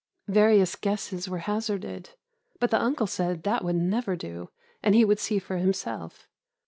"Various guesses were hazarded, but the uncle said that would never do, and he would see for himself.